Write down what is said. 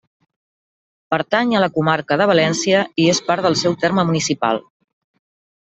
Pertany a la comarca de València i és part del seu terme municipal.